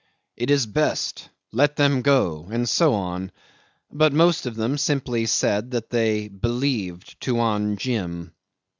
"It is best," "Let them go," and so on. But most of them simply said that they "believed Tuan Jim."